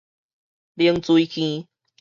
冷水坑